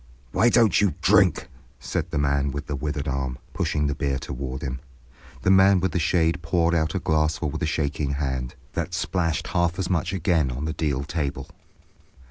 "Why don't you drink?" said the man with the withered arm, pushing the beer toward him. The man with the shade poured out a glassful with a shaking hand, that splashed half as much again on the deal table.